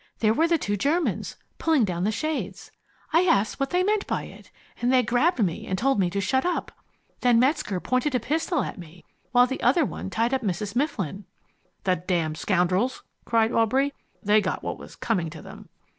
There were the two Germans, pulling down the shades. I asked what they meant by it, and they grabbed me and told me to shut up. Then Metzger pointed a pistol at me while the other one tied up Mrs. Mifflin." "The damned scoundrels!" cried Aubrey. "They got what was coming to them."